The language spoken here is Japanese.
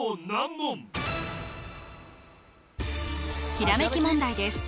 ひらめき問題です